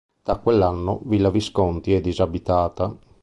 Da quell'anno, Villa Visconti è disabitata.